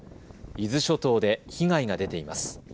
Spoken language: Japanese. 伊豆諸島で被害が出ています。